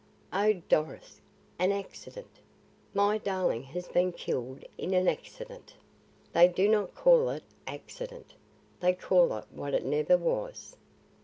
Oh, Doris, an accident! My darling has been killed in an accident!" "They do not call it accident. They call it what it never was.